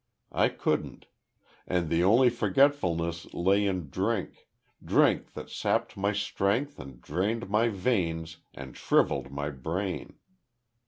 I couldn't.... And the only forgetfulness lay in drink drink that sapped my strength and drained my veins and shrivelled my brain.